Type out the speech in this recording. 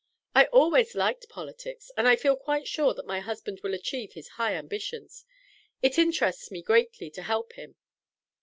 "I always liked politics, and I feel quite sure that my husband will achieve his high ambitions. It interests me greatly to help him."